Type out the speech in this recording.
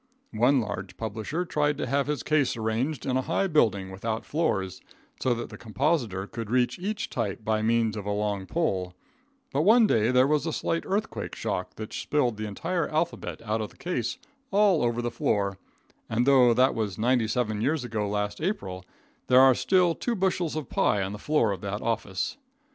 One large publisher tried to have his case arranged in a high building without floors, so that the compositor could reach each type by means of a long pole, but one day there was a slight earthquake shock that spilled the entire alphabet out of the case, all over the floor, and although that was ninety seven years ago last April, there are still two bushels of pi on the floor of that office.